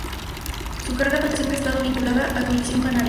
Su carrera política siempre ha estado vinculada a Coalición Canaria.